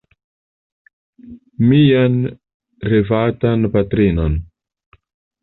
Mian revatan patrinon.